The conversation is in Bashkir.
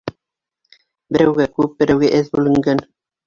Берәүгә күп, берәүгә әҙ бүленгән.